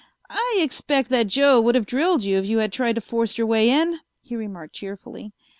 "I expect that Joe would have drilled you if you had tried to force your way in," he remarked cheerfully.